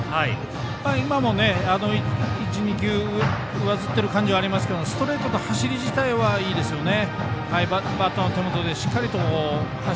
今も、１、２球上ずってる感じはありますがストレートの走り自体はいいですよね。